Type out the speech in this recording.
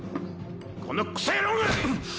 このクソ野郎が！